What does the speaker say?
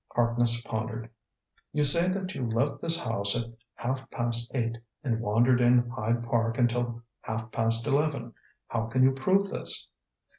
Harkness pondered. "You say that you left this house at half past eight, and wandered in Hyde Park until half past eleven. How can you prove this?"